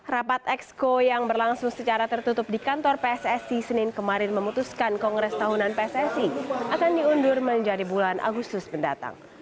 rapat exco yang berlangsung secara tertutup di kantor pssi senin kemarin memutuskan kongres tahunan pssi akan diundur menjadi bulan agustus mendatang